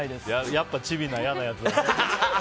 やっぱチビな嫌なやつだ。